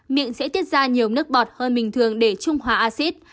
miệng sẽ tiết ra nhiều nước bọt hơn bình thường để trung hòa acid